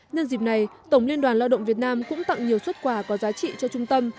nhân dịp này tổng liên đoàn lao động việt nam cũng tặng nhiều xuất quà có giá trị cho trung tâm